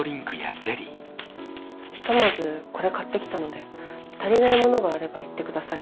ひとまずこれ買ってきたので足りないものがあれば言って下さい。